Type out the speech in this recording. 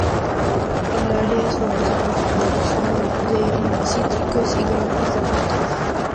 El área es famosa por su producción de cítricos y granjas de plátano.